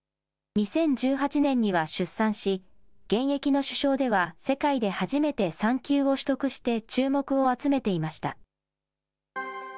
２０１８年には出産し、現役の首相では世界で初めて産休を取得して注目を集めていました。